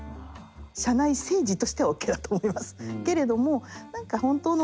社内政治としてはＯＫだと思います。